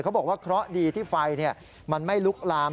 เขาบอกว่าเคราะห์ดีที่ไฟมันไม่ลุกลาม